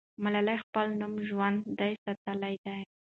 ملالۍ خپل نوم ژوندی ساتلی دی.